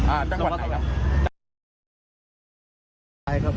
อ่าจังหวัดไหนครับ